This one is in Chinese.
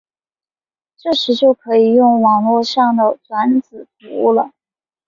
这时就可以用网路上的转址服务了。